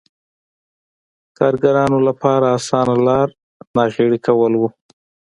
کارګرانو لپاره اسانه لار ناغېړي کول و.